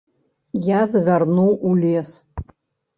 Я завярнуў у лес.